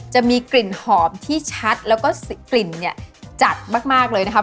จะมีกลิ่นหอมที่ชัดแล้วก็กลิ่นเนี่ยจัดมากเลยนะครับ